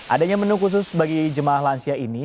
adanya menu khusus bagi jemaah lansia ini